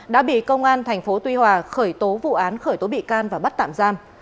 đã bị công an tp tuy hòa khởi tố vụ án khởi tố bị can và bắt tạm giam